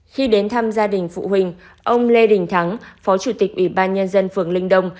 khi đến thăm gia đình phụ huynh ông lê đình thắng phó chủ tịch ủy ban nhân dân phường linh đông